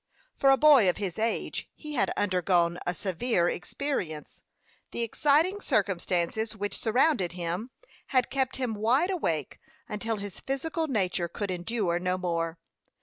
For a boy of his age he had undergone a severe experience. The exciting circumstances which surrounded him had kept him wide awake until his physical nature could endure no more.